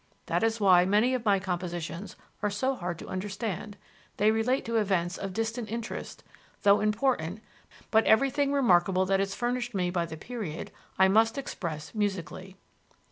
That is why many of my compositions are so hard to understand: they relate to events of distant interest, though important; but everything remarkable that is furnished me by the period I must express musically."